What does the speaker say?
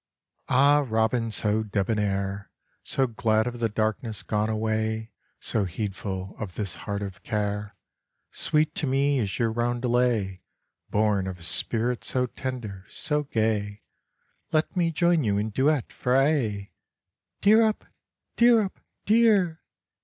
Ah robin, so debonair, So glad of the darkness gone away, So heedful of this heart of care, Sweet to me is your roundelay, Born of a spirit so tender, so gay, Let me join you in duet for aye! _Dear up, dear up, dear!